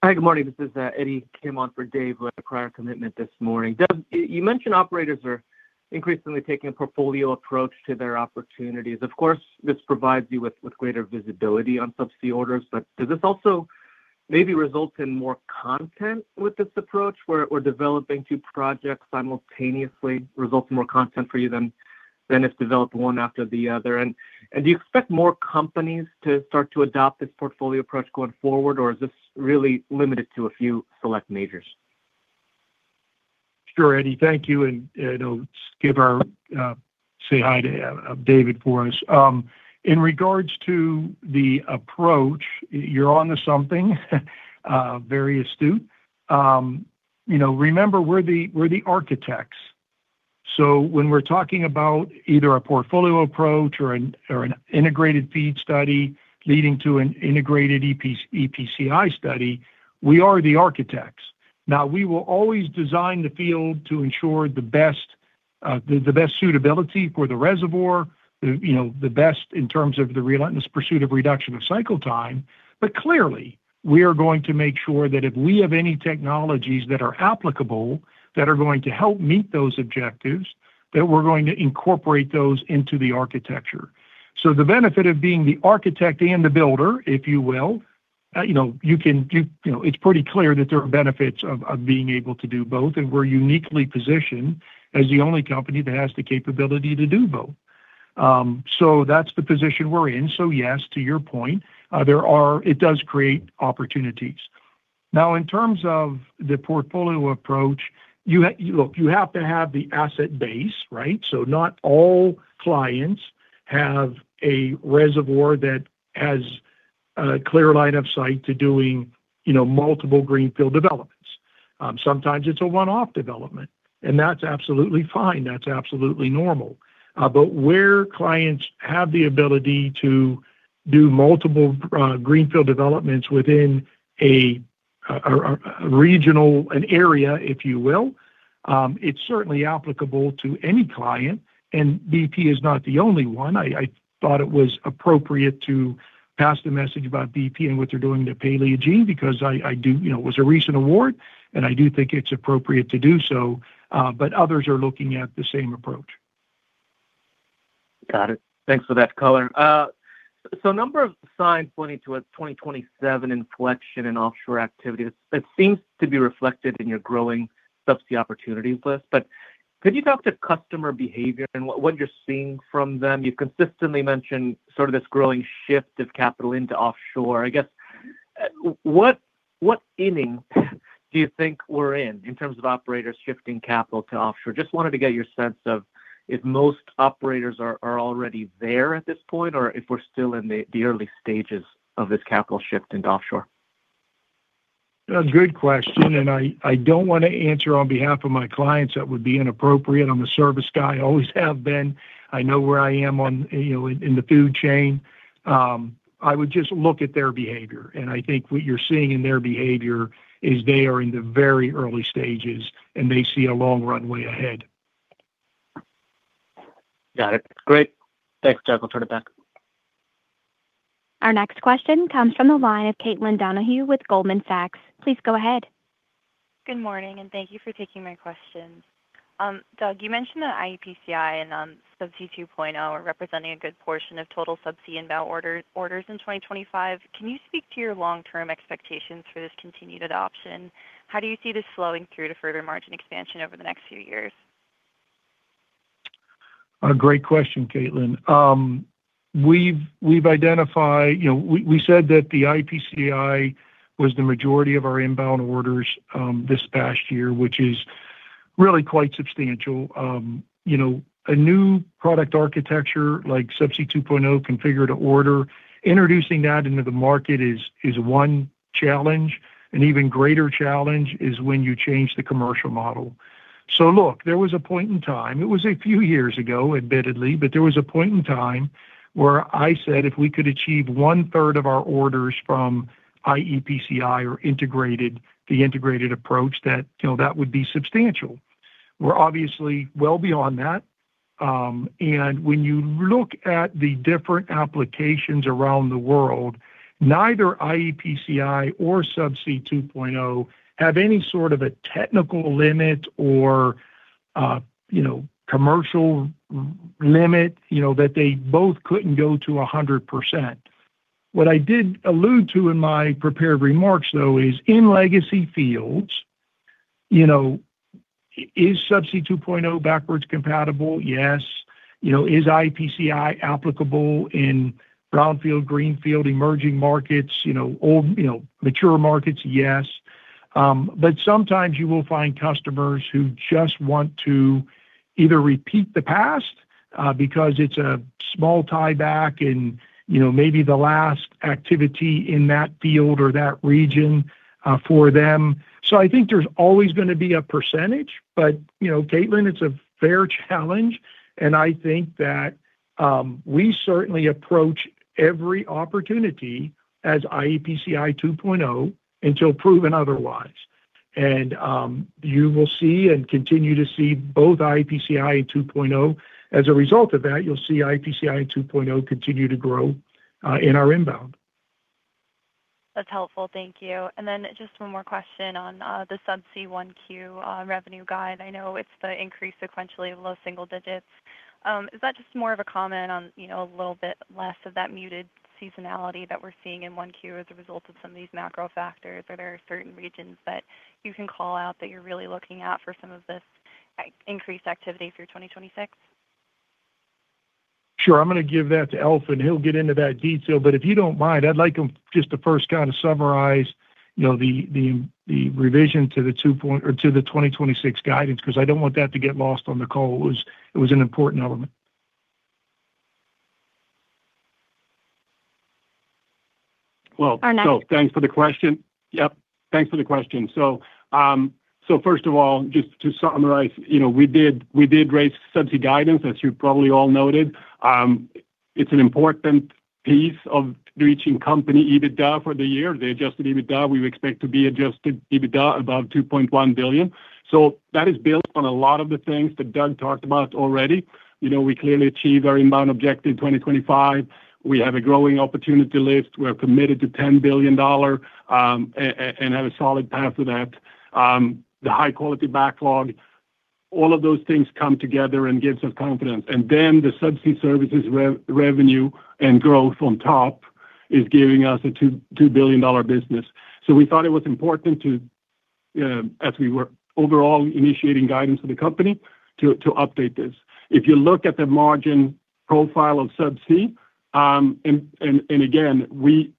Hi, good morning. This is Eddie, came on for Dave with a prior commitment this morning. Doug, you mentioned operators are increasingly taking a portfolio approach to their opportunities. Of course, this provides you with greater visibility on Subsea orders, but does this also maybe result in more content with this approach, where we're developing two projects simultaneously, results in more content for you than if developed one after the other? And do you expect more companies to start to adopt this portfolio approach going forward, or is this really limited to a few select majors? Sure, Eddie. Thank you, and give our say hi to David for us. In regards to the approach, you're onto something very astute. You know, remember, we're the architects. So when we're talking about either a portfolio approach or an integrated FEED study leading to an integrated EPCI study, we are the architects. Now, we will always design the field to ensure the best suitability for the reservoir, you know, the best in terms of the relentless pursuit of reduction of cycle time. But clearly, we are going to make sure that if we have any technologies that are applicable that are going to help meet those objectives, that we're going to incorporate those into the architecture. So the benefit of being the architect and the builder, if you will, you know, it's pretty clear that there are benefits of being able to do both, and we're uniquely positioned as the only company that has the capability to do both. So that's the position we're in. So, yes, to your point, there are—it does create opportunities. Now, in terms of the portfolio approach, you have, look, you have to have the asset base, right? So not all clients have a reservoir that has a clear line of sight to doing, you know, multiple Greenfield developments. Sometimes it's a one-off development, and that's absolutely fine. That's absolutely normal. But where clients have the ability to do multiple greenfield developments within a regional area, if you will, it's certainly applicable to any client, and bp is not the only one. I thought it was appropriate to pass the message about bp and what they're doing to Paleogene because I do, you know, it was a recent award, and I do think it's appropriate to do so, but others are looking at the same approach. Got it. Thanks for that color. So a number of signs pointing to a 2027 inflection in offshore activity, it seems to be reflected in your growing Subsea Opportunities List. But could you talk to customer behavior and what you're seeing from them? You've consistently mentioned sort of this growing shift of capital into offshore. I guess, what inning do you think we're in, in terms of operators shifting capital to offshore? Just wanted to get your sense of if most operators are already there at this point, or if we're still in the early stages of this capital shift into offshore. A good question, and I, I don't want to answer on behalf of my clients. That would be inappropriate. I'm a service guy, always have been. I know where I am on, you know, in, in the food chain. I would just look at their behavior, and I think what you're seeing in their behavior is they are in the very early stages, and they see a long runway ahead. Got it. Great. Thanks, Doug. I'll turn it back. Our next question comes from the line of Caitlin Donohue with Goldman Sachs. Please go ahead. Good morning, and thank you for taking my questions. Doug, you mentioned that iEPCI and Subsea 2.0 are representing a good portion of total Subsea inbound orders, orders in 2025. Can you speak to your long-term expectations for this continued adoption? How do you see this flowing through to further margin expansion over the next few years? A great question, Caitlin. We've identified. You know, we said that the iEPCI was the majority of our inbound orders this past year, which is really quite substantial. You know, a new product architecture like Subsea 2.0 configure-to-order, introducing that into the market is one challenge. An even greater challenge is when you change the commercial model. So look, there was a point in time, it was a few years ago, admittedly, but there was a point in time where I said, if we could achieve one-third of our orders from iEPCI or integrated, the integrated approach, that, you know, that would be substantial. We're obviously well beyond that. And when you look at the different applications around the world, neither iEPCI or Subsea 2.0 have any sort of a technical limit or, you know, commercial limit, you know, that they both couldn't go to 100%. What I did allude to in my prepared remarks, though, is in legacy fields, you know, is Subsea 2.0 backwards compatible? Yes. You know, is iEPCI applicable in brownfield, greenfield, emerging markets, you know, old, you know, mature markets? Yes. But sometimes you will find customers who just want to either repeat the past, because it's a small tieback and, you know, maybe the last activity in that field or that region, for them. So I think there's always gonna be a percentage. But, you know, Caitlin, it's a fair challenge, and I think that, we certainly approach every opportunity as iEPCI 2.0 until proven otherwise. And, you will see and continue to see both iEPCI and 2.0. As a result of that, you'll see iEPCI and 2.0 continue to grow, in our inbound. That's helpful. Thank you. And then just one more question on the Subsea 1Q revenue guide. I know it's the increase sequentially of low single digits. Is that just more of a comment on, you know, a little bit less of that muted seasonality that we're seeing in 1Q as a result of some of these macro factors? Or there are certain regions that you can call out that you're really looking at for some of this increased activity through 2026? Sure. I'm gonna give that to Alf, he'll get into that detail, but if you don't mind, I'd like him just to first kinda summarize, you know, the revision to the two point-- or to the 2026 guidance because I don't want that to get lost on the call. It was an important element. Well-. All right. So thanks for the question. Yep, thanks for the question. So, so first of all, just to summarize, you know, we did, we did raise Subsea guidance, as you probably all noted. It's an important piece of reaching company Adjusted EBITDA for the year. The Adjusted EBITDA, we expect to be above $2.1 billion. So that is built on a lot of the things that Doug talked about already. You know, we clearly achieved our inbound objective in 2025. We have a growing opportunity list. We're committed to $10 billion, and have a solid path to that. The high-quality backlog, all of those things come together and gives us confidence. And then the Subsea services revenue and growth on top is giving us a $2 billion business. So we thought it was important to. As we were overall initiating guidance for the company to update this. If you look at the margin profile of Subsea, and again, we,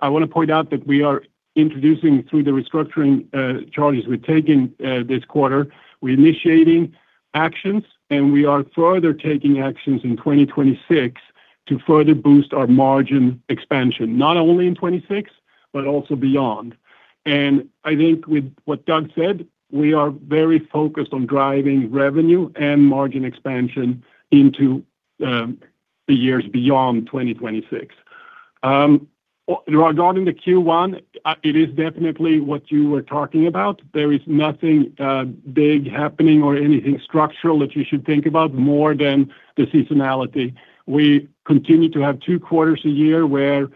I wanna point out that we are introducing through the restructuring, charges we've taken, this quarter, we're initiating actions, and we are further taking actions in 2026 to further boost our margin expansion, not only in 2026, but also beyond. And I think with what Doug said, we are very focused on driving revenue and margin expansion into the years beyond 2026. Regarding the Q1, it is definitely what you were talking about. There is nothing big happening or anything structural that you should think about more than the seasonality. We continue to have two quarters a year where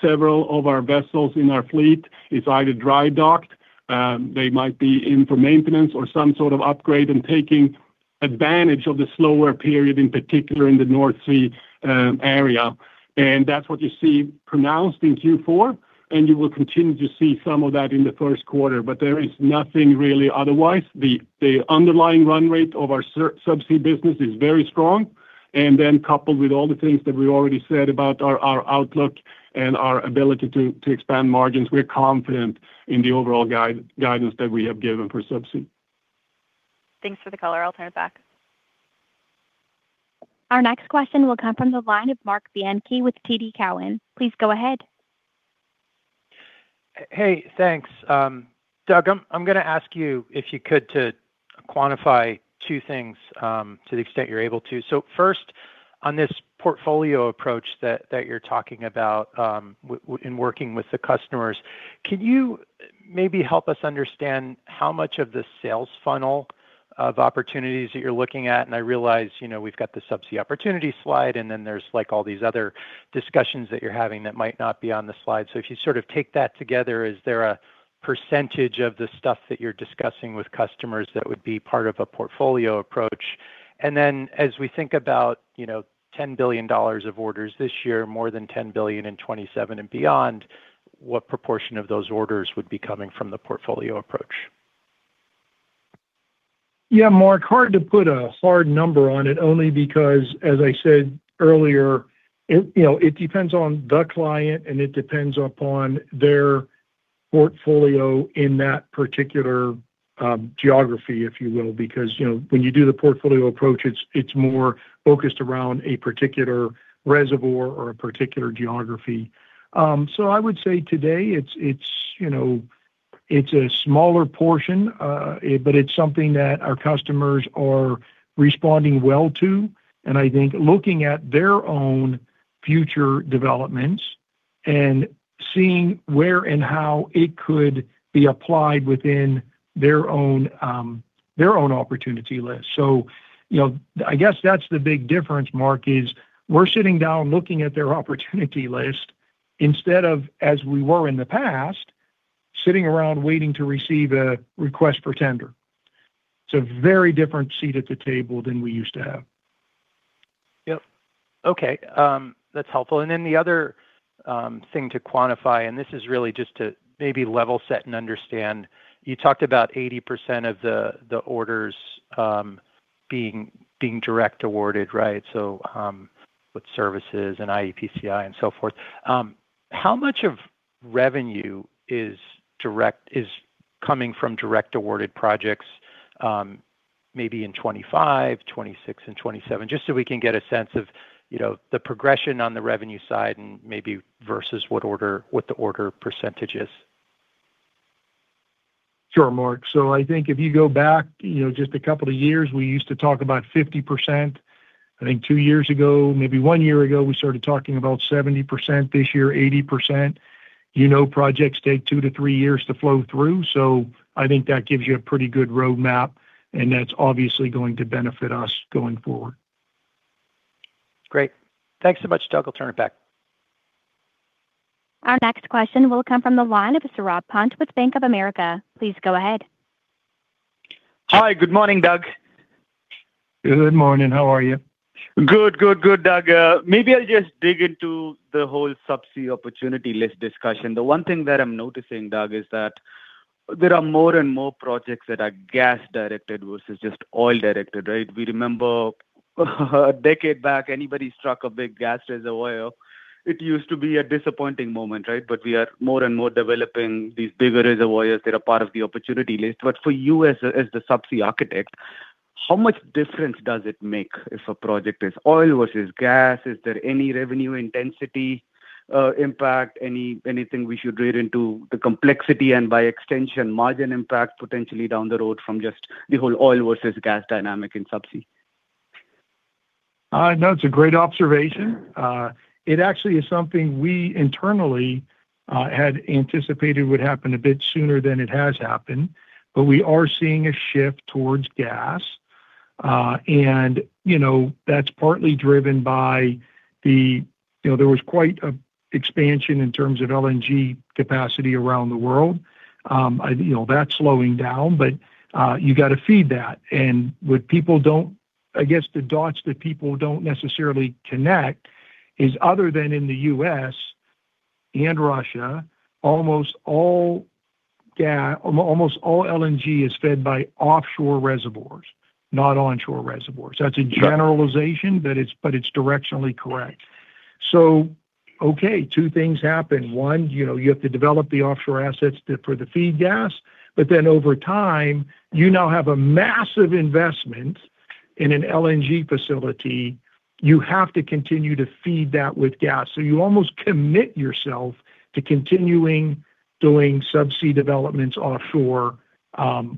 several of our vessels in our fleet is either dry docked, they might be in for maintenance or some sort of upgrade and taking advantage of the slower period, in particular in the North Sea area. And that's what you see pronounced in Q4, and you will continue to see some of that in the first quarter, but there is nothing really otherwise. The underlying run rate of our subsea business is very strong, and then coupled with all the things that we already said about our outlook and our ability to expand margins, we're confident in the overall guidance that we have given for subsea. Thanks for the color. I'll turn it back. Our next question will come from the line of Marc Bianchi with TD Cowen. Please go ahead. Hey, thanks. Doug, I'm gonna ask you, if you could, to quantify two things, to the extent you're able to. So first, on this portfolio approach that you're talking about, in working with the customers, can you maybe help us understand how much of the sales funnel of opportunities that you're looking at? And I realize, you know, we've got the Subsea opportunity slide, and then there's, like, all these other discussions that you're having that might not be on the slide. So if you sort of take that together, is there a percentage of the stuff that you're discussing with customers that would be part of a portfolio approach? Then, as we think about, you know, $10 billion of orders this year, more than $10 billion in 2027 and beyond, what proportion of those orders would be coming from the portfolio approach? Yeah, Mark, hard to put a hard number on it, only because, as I said earlier, it, you know, it depends on the client, and it depends upon their portfolio in that particular geography, if you will, because, you know, when you do the portfolio approach, it's, it's more focused around a particular reservoir or a particular geography. So I would say today, it's, it's, you know, it's a smaller portion, but it's something that our customers are responding well to. And I think looking at their own future developments and seeing where and how it could be applied within their own, their own opportunity list. So, you know, I guess that's the big difference, Mark, is we're sitting down, looking at their opportunity list instead of, as we were in the past, sitting around waiting to receive a request for tender. It's a very different seat at the table than we used to have. Yep. Okay, that's helpful. And then the other thing to quantify, and this is really just to maybe level set and understand, you talked about 80% of the orders being direct awarded, right? So, with services and iEPCI and so forth. How much of revenue is direct-- is coming from direct awarded projects, maybe in 2025, 2026 and 2027? Just so we can get a sense of, you know, the progression on the revenue side and maybe versus what order, what the order percentage is. Sure, Mark. So I think if you go back, you know, just a couple of years, we used to talk about 50%. I think two years ago, maybe one year ago, we started talking about 70%, this year, 80%. You know, projects take two to three years to flow through, so I think that gives you a pretty good roadmap, and that's obviously going to benefit us going forward. Great. Thanks so much, Doug. I'll turn it back. Our next question will come from the line of Saurabh Pant with Bank of America. Please go ahead. Hi, good morning, Doug. Good morning. How are you? Good, good, good, Doug. Maybe I'll just dig into the whole subsea opportunity list discussion. The one thing that I'm noticing, Doug, is that there are more and more projects that are gas-directed versus just oil-directed, right? We remember, a decade back, anybody struck a big gas reservoir, it used to be a disappointing moment, right? But we are more and more developing these bigger reservoirs that are part of the opportunity list. But for you, as the, as the subsea architect, how much difference does it make if a project is oil versus gas? Is there any revenue intensity, impact, anything we should read into the complexity and, by extension, margin impact potentially down the road from just the whole oil versus gas dynamic in subsea? No, it's a great observation. It actually is something we internally had anticipated would happen a bit sooner than it has happened. But we are seeing a shift towards gas, and, you know, that's partly driven by the... You know, there was quite an expansion in terms of LNG capacity around the world. You know, that's slowing down, but, you gotta feed that. And what people don't... I guess the dots that people don't necessarily connect is other than in the U.S. and Russia, almost all gas, almost all LNG is fed by offshore reservoirs, not onshore reservoirs. That's a generalization, but it's, but it's directionally correct. So, okay, two things happen. One, you know, you have to develop the offshore assets to, for the feed gas, but then over time, you now have a massive investment in an LNG facility. You have to continue to feed that with gas. So you almost commit yourself to continuing doing subsea developments offshore,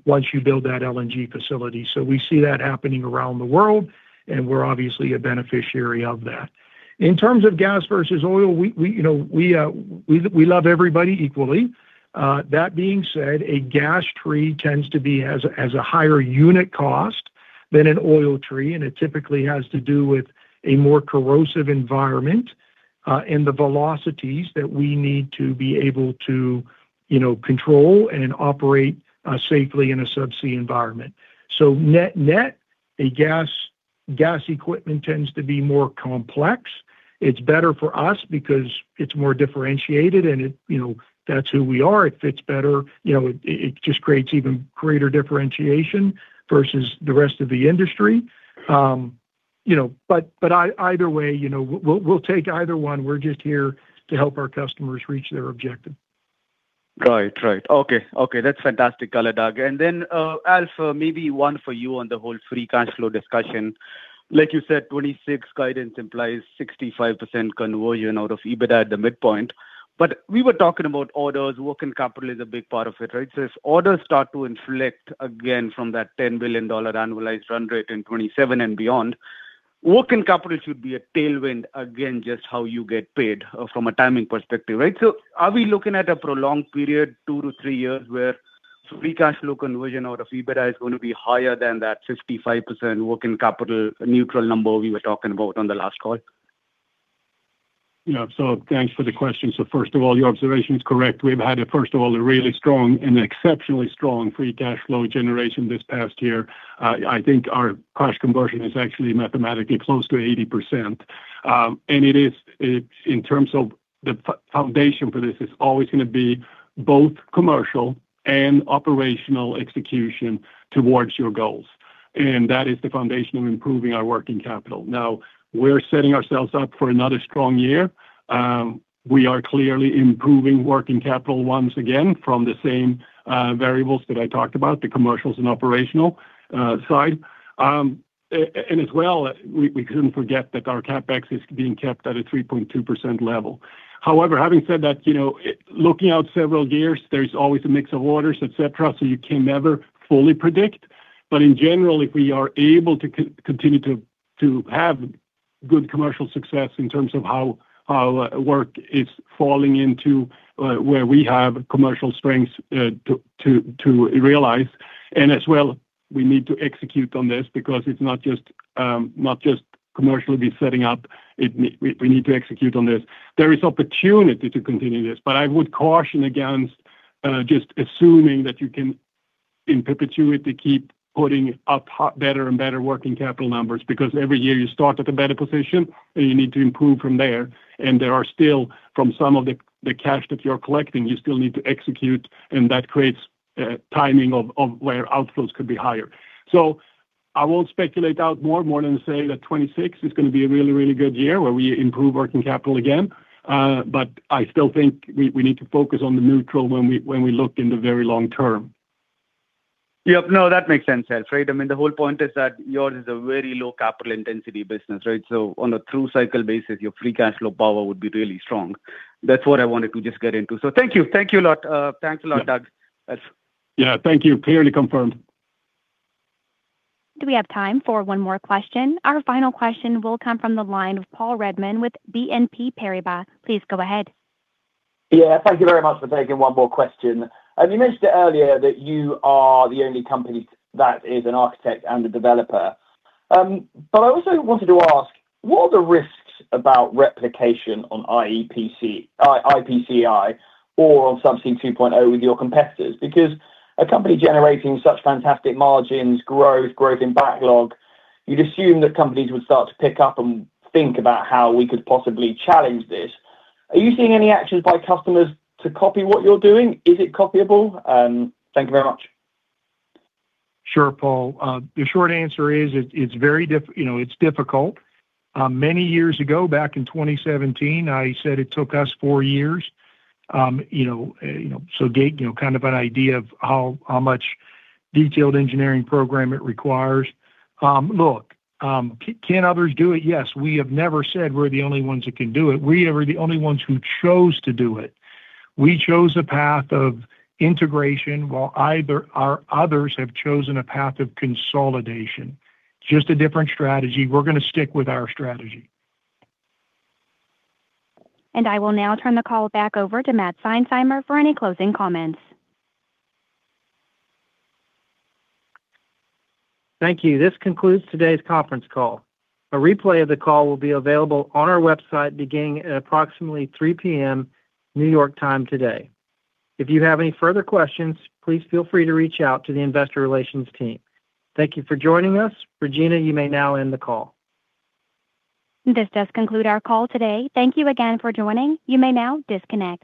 once you build that LNG facility. So we see that happening around the world, and we're obviously a beneficiary of that. In terms of gas versus oil, you know, we love everybody equally. That being said, a gas tree tends to be a higher unit cost than an oil tree, and it typically has to do with a more corrosive environment, and the velocities that we need to be able to, you know, control and operate safely in a subsea environment. So net, a gas equipment tends to be more complex. It's better for us because it's more differentiated and it, you know, that's who we are. It fits better. You know, it just creates even greater differentiation versus the rest of the industry. You know, but either way, you know, we'll take either one. We're just here to help our customers reach their objective. Right. Right. Okay, okay, that's fantastic, Doug. And then, Alf, maybe one for you on the whole free cash flow discussion. Like you said, 2026 guidance implies 65% conversion out of EBITDA at the midpoint. But we were talking about orders, working capital is a big part of it, right? So if orders start to inflect again from that $10 billion annualized run rate in 2027 and beyond, working capital should be a tailwind again, just how you get paid from a timing perspective, right? So are we looking at a prolonged period, 2-3 years, where free cash flow conversion out of EBITDA is gonna be higher than that 65% working capital neutral number we were talking about on the last call? Yeah. So thanks for the question. So first of all, your observation is correct. We've had, first of all, a really strong and exceptionally strong free cash flow generation this past year. I think our cash conversion is actually mathematically close to 80%. And it is, it, in terms of the foundation for this, is always gonna be both commercial and operational execution towards your goals, and that is the foundation of improving our working capital. Now, we're setting ourselves up for another strong year. We are clearly improving working capital once again from the same variables that I talked about, the commercials and operational side. And as well, we, we couldn't forget that our CapEx is being kept at a 3.2% level. However, having said that, you know, looking out several years, there's always a mix of orders, et cetera, so you can never fully predict. But in general, if we are able to continue to have good commercial success in terms of how work is falling into where we have commercial strengths to realize, and as well, we need to execute on this because it's not just not just commercially setting up, it we need to execute on this. There is opportunity to continue this, but I would caution against just assuming that you can, in perpetuity, keep putting up better and better working capital numbers, because every year you start at a better position, and you need to improve from there. There are still, from some of the cash that you're collecting, you still need to execute, and that creates a timing of where outflows could be higher. So I won't speculate out more than say that 2026 is gonna be a really good year where we improve working capital again. But I still think we need to focus on the neutral when we look in the very long term. Yep. No, that makes sense, Alf. Right, I mean, the whole point is that yours is a very low capital intensity business, right? So on a true cycle basis, your free cash flow power would be really strong. That's what I wanted to just get into. So thank you. Thank you a lot. Thanks a lot, Doug. Alf. Yeah, thank you. Clearly confirmed. Do we have time for one more question? Our final question will come from the line of Paul Redmond with BNP Paribas. Please go ahead. Yeah, thank you very much for taking one more question. You mentioned earlier that you are the only company that is an architect and a developer. But I also wanted to ask, what are the risks about replication on iEPCI or on Subsea 2.0 with your competitors? Because a company generating such fantastic margins, growth, growth in backlog, you'd assume that companies would start to pick up and think about how we could possibly challenge this. Are you seeing any actions by customers to copy what you're doing? Is it copyable? Thank you very much. Sure, Paul. The short answer is, it's very difficult. You know, it's difficult. Many years ago, back in 2017, I said it took us four years. You know, so get, you know, kind of an idea of how much detailed engineering program it requires. Look, can others do it? Yes. We have never said we're the only ones that can do it. We are the only ones who chose to do it. We chose a path of integration, while either or others have chosen a path of consolidation. Just a different strategy. We're gonna stick with our strategy. I will now turn the call back over to Matt Seinsheimer for any closing comments. Thank you. This concludes today's conference call. A replay of the call will be available on our website beginning at approximately 3:00 P.M., New York time today. If you have any further questions, please feel free to reach out to the investor relations team. Thank you for joining us. Regina, you may now end the call. This does conclude our call today. Thank you again for joining. You may now disconnect.